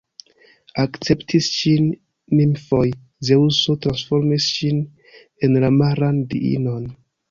Akceptis ŝin nimfoj, Zeŭso transformis ŝin en la maran diinon.